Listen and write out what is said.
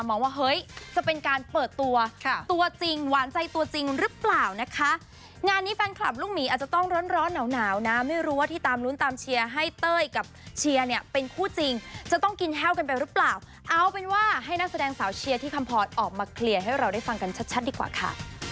เอาเป็นว่าให้นักแสดงสาวเชียร์ที่คัมพอร์ตออกมาเคลียร์ให้เราได้ฟังกันชัดดีกว่าค่ะ